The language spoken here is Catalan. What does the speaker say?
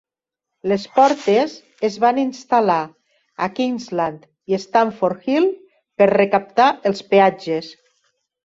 Les portes es van instal·lar a Kingsland i Stamford Hill per recaptar els peatges.